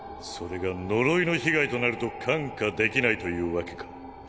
それが呪いの被害となると看過できないというわけか？